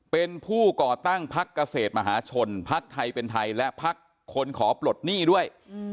เป็นผู้ก่อตั้งพักเกษตรมหาชนพักไทยเป็นไทยและพักคนขอปลดหนี้ด้วย